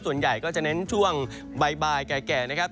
ส่วนใหญ่ก็จะเน้นช่วงบ่ายแก่นะครับ